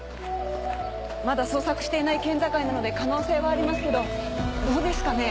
まだ捜索していない県境なので可能性はありますけどどうですかね？